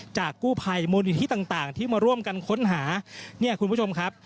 จากกู้ภัยมูลนิธิต่างต่างที่มาร่วมกันค้นหาเนี่ยคุณผู้ชมครับ